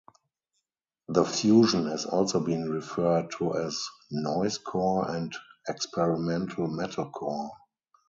The fusion has also been referred to as noisecore and experimental metalcore.